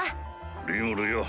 リムルよ